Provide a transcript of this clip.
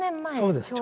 そうです。